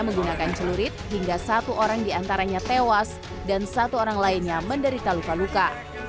menggunakan celurit hingga satu orang diantaranya tewas dan satu orang lainnya menderita luka luka